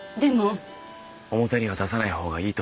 表には出さない方がいいと思います。